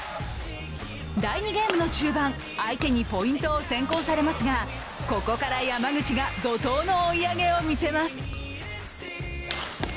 第２ゲームの中盤、相手にポイントを先行されますがここから山口が怒とうの追い上げを見せます。